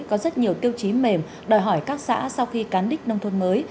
có rất nhiều tiêu chí mềm đòi hỏi các xã sau khi cán đích nông thôn mới